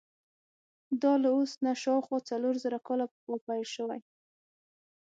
دا له اوس نه شاوخوا څلور زره کاله پخوا پیل شوی.